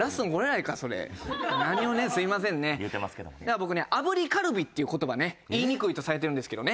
僕ね「あぶりカルビ」っていう言葉ね言いにくいとされてるんですけどね